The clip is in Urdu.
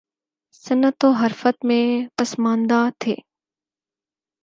صنعت و حرفت میں پسماندہ تھے